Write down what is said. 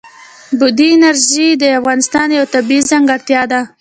بادي انرژي د افغانستان یوه طبیعي ځانګړتیا ده.